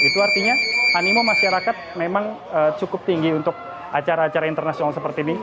itu artinya animo masyarakat memang cukup tinggi untuk acara acara internasional seperti ini